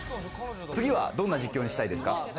次は、どんな実況にしたいですか？